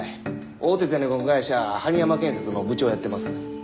大手ゼネコン会社埴山建設の部長をやってます。